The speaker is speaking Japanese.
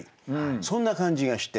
そんな感じがして。